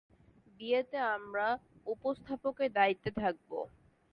বিয়েতে আমরা উপস্থাপকের দায়িত্বে থাকবো।